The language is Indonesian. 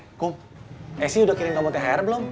eh kum esy udah kirim kamu thr belum